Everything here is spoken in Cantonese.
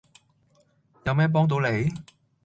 有咩幫到你?